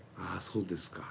そうですか。